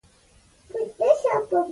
که و نه ژاړو، دا خيرن زړونه به څنګه مينځو؟